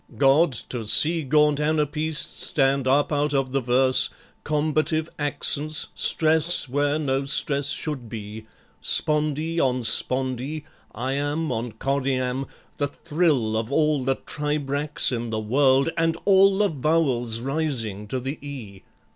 God! to see Gaunt anapaests stand up out of the verse, Combative accents, stress where no stress should be, Spondee on spondee, iamb on choriamb, The thrill of the all the tribrachs in the world, And all the vowels rising to the E!